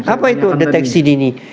apa itu deteksi dini